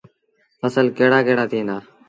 ڦسل ڪهڙآ ڪهڙآ ٿئيٚݩ دآ۔